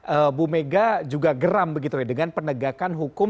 ibu mega juga geram dengan penegakan hukum